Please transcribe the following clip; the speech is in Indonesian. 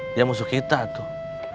dia musuh kita tuh